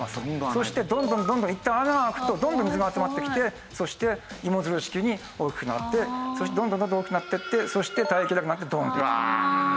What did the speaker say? そしてどんどんどんどんいったん穴が開くとどんどん水が集まってきてそして芋づる式に大きくなってどんどんどんどん大きくなっていってそして耐えきれなくなってドーンって。